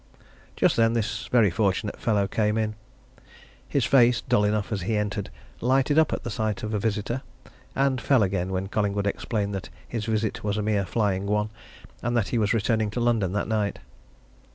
Just then this very fortunate fellow came in. His face, dull enough as he entered, lighted up at sight of a visitor, and fell again when Collingwood explained that his visit was a mere flying one, and that he was returning to London that night.